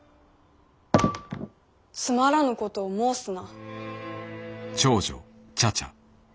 つまらぬことを申すな。